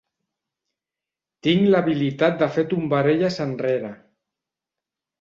Tinc l'habilitat de fer tombarelles enrere.